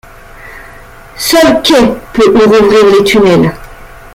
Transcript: Seul Kay peut rouvrir les tunnels.